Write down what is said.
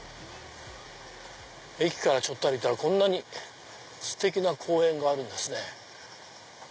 駅からちょっと歩いたらこんなにステキな公園があるんですね。